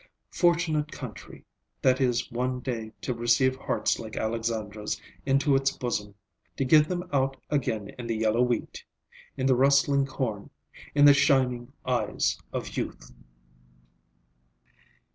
Fortunate country, that is one day to receive hearts like Alexandra's into its bosom, to give them out again in the yellow wheat, in the rustling corn, in the shining eyes of youth!